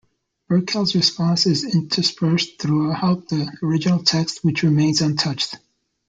Birkel's response is interspersed throughout the original text, which remains untouched.